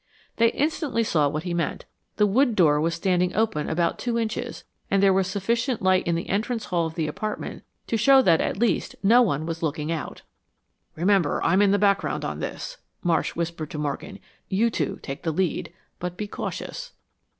They instantly saw what he meant. The wood door was standing open about two inches, and there was sufficient light in the entrance hall of the apartment to show that at least no one was looking out. "Remember, I'm in the background on this," Marsh whispered to Morgan. "You two take, the lead but be cautious."